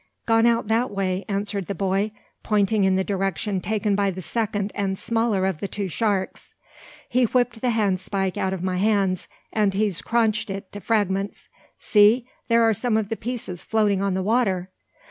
"Gone out that way," answered the boy, pointing in the direction taken by the second and smaller of the two sharks. "He whipped the handspike out of my hands, and he's craunched it to fragments. See! there are some of the pieces floating on the water!"